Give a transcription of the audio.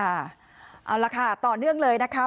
เอาล่ะค่ะต่อเนื่องเลยนะคะ